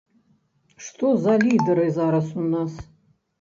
Што за лідары зараз у нас?